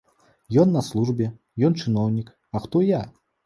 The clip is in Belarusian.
Ён на службе, ён чыноўнік, а хто я?